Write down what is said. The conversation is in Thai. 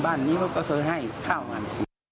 บ้านนี้เขาก็เคยให้ข้าวกัน